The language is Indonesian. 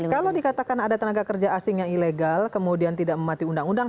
kalau dikatakan ada tenaga kerja asing yang ilegal kemudian tidak memati undang undang